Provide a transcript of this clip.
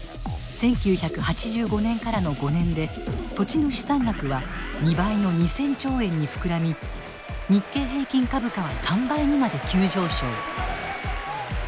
１９８５年からの５年で土地の資産額は２倍の２，０００兆円に膨らみ日経平均株価は３倍にまで急上昇。